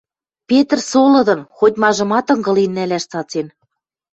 Петр со лыдын, хоть-мажымат ынгылен нӓлӓш цацен